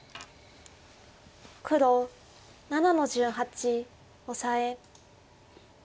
黒７の十八オサエ。